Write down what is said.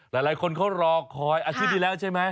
หลายคนเขารอคอยอาทิตย์ที่แล้วใช่ไหม